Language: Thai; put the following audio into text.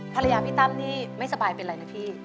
ภรรยาพี่ตั้มนี่ไม่สบายเป็นอะไรนะพี่